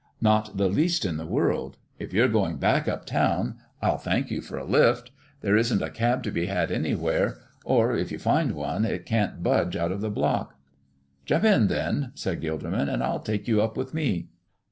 "Not the least in the world. If you're going back up town, I'll thank you for a lift. There isn't a cab to be had anywhere, or if you do find one it can't budge out of the block." "Jump in, then," said Gilderman, "and I'll take you up with me."